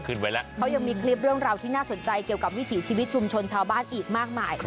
ไว้แล้วเขายังมีคลิปเรื่องราวที่น่าสนใจเกี่ยวกับวิถีชีวิตชุมชนชาวบ้านอีกมากมาย